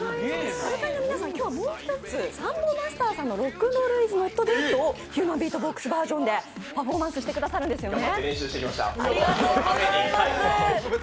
ＳＡＲＵＫＡＮＩの皆さん、今日はもう一つサンボマスターさんの「ロックンロールイズノットデッド」をヒューマンビートボックスバージョンでパフォーマンスしてくださるんですよね。